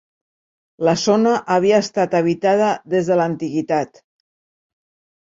La zona havia estat habitada des de l'antiguitat.